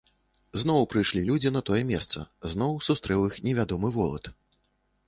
Зноў прыйшлі людзі на тое месца, зноў сустрэў іх невядомы волат.